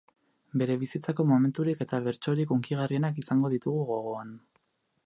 Bere bizitzako momenturik eta bertsorik hunkigarrienak izango ditugu gogoan.